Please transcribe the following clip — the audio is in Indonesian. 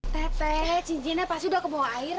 tete cincinnya pasti udah kebawa air